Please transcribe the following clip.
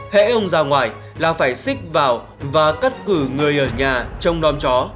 hẽ ông ra ngoài là phải xích vào và cắt cử người ở nhà trong non chó